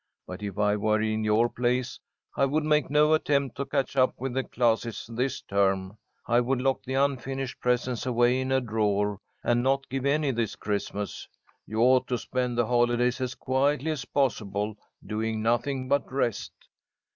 But, if I were in your place, I would make no attempt to catch up with the classes this term. I would lock the unfinished presents away in a drawer, and not give any this Christmas. You ought to spend the holidays as quietly as possible, doing nothing but rest."